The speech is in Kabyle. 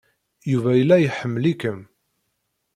Yuba yella iḥemmel-ikem.